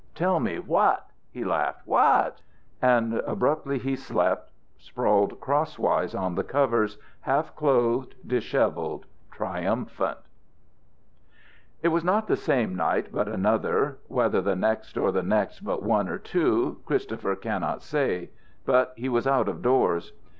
"Tell me what?" he laughed. "What?" And abruptly he slept, sprawled crosswise on the covers, half clothed, dishevelled, triumphant. It was not the same night, but another; whether the next or the next but one, or two, Christopher can not say. But he was out of doors.